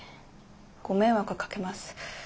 ご迷惑かけます。